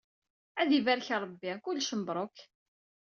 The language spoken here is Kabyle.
Ad ibarek Rebbi, kullec mebruk.